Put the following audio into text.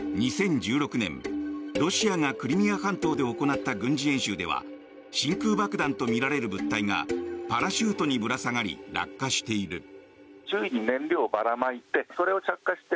２０１６年、ロシアがクリミア半島で行った軍事演習では真空爆弾とみられる物体がパラシュートにぶら下がり落下している。